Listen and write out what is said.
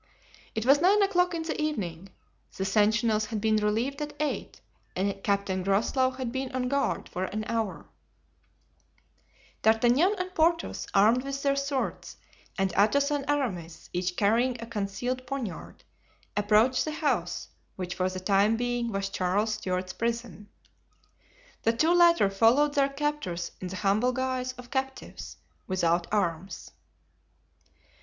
It was nine o'clock in the evening; the sentinels had been relieved at eight and Captain Groslow had been on guard for an hour. D'Artagnan and Porthos, armed with their swords, and Athos and Aramis, each carrying a concealed poniard, approached the house which for the time being was Charles Stuart's prison. The two latter followed their captors in the humble guise of captives, without arms.